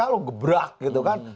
lalu gebrak gitu kan